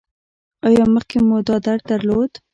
ایا مخکې مو دا درد درلود؟